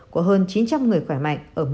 của hơn chín trăm linh người khỏe mạnh